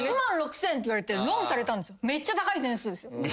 めっちゃ高い点数です。